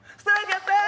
やったー！